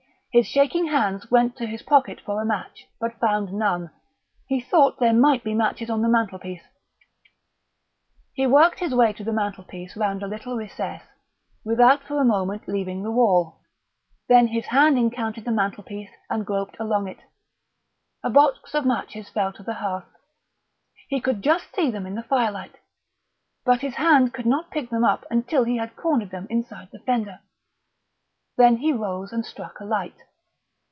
His shaking hand went to his pocket for a match, but found none. He thought there might be matches on the mantelpiece He worked his way to the mantelpiece round a little recess, without for a moment leaving the wall. Then his hand encountered the mantelpiece, and groped along it. A box of matches fell to the hearth. He could just see them in the firelight, but his hand could not pick them up until he had cornered them inside the fender. Then he rose and struck a light.